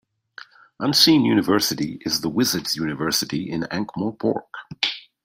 Unseen University is the Wizard's university in Ankh-Morpork.